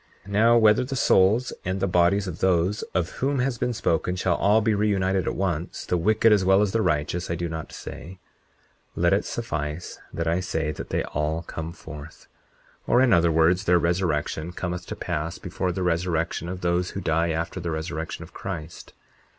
40:19 Now, whether the souls and the bodies of those of whom has been spoken shall all be reunited at once, the wicked as well as the righteous, I do not say; let it suffice; that I say that they all come forth; or in other words, their resurrection cometh to pass before the resurrection of those who die after the resurrection of Christ.